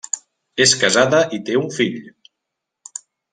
És casada i té un fill.